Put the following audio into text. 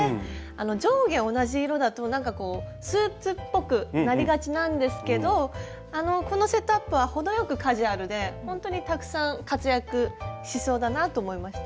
上下同じ色だとなんかこうスーツっぽくなりがちなんですけどこのセットアップは程よくカジュアルでほんとにたくさん活躍しそうだなと思いました。